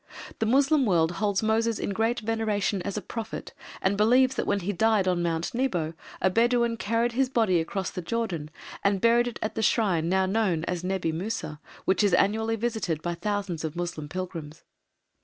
The Moslem world holds Moses in great veneration as a Prophet, and believes that when he died on Mount Nebo, a Bedouin carried his body across the Jordan and buried it at the shrine now known as Nebi Musa, which is annually visited by thousands of Moslem pilgrims.